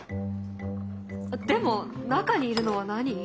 でも中にいるのは何？